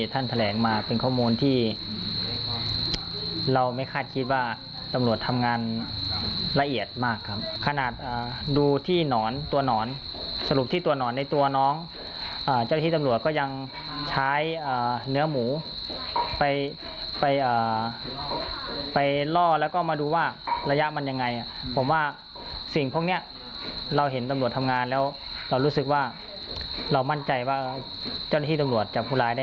ท่านแถลงมาเป็นข้อมูลที่เราไม่คาดคิดว่าตำรวจทำงานละเอียดมากครับขนาดดูที่หนอนตัวหนอนสรุปที่ตัวหนอนในตัวน้องเจ้าที่ตำรวจก็ยังใช้เนื้อหมูไปไปล่อแล้วก็มาดูว่าระยะมันยังไงผมว่าสิ่งพวกเนี้ยเราเห็นตำรวจทำงานแล้วเรารู้สึกว่าเรามั่นใจว่าเจ้าหน้าที่ตำรวจจับผู้ร้ายได้